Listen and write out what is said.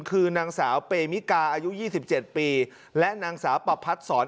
คือนางสาวเปมิกาอายุยี่สิบเจ็ดปีและนางสาวปะพัดสอน